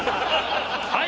はい！